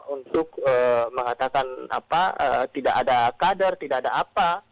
untuk mengatakan tidak ada kader tidak ada apa